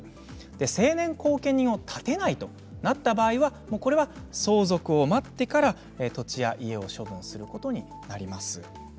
成年後見人を立てないとなった場合は、相続を待ってから土地や家を処分することになります。